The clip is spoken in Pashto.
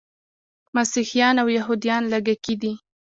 مسیحیان او یهودان لږکي دي.